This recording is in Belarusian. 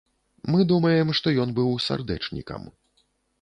Мы думаем, што ён быў сардэчнікам.